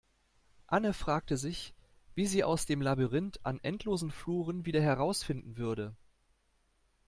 Anne fragte sich, wie sie aus dem Labyrinth an endlosen Fluren wieder herausfinden würde.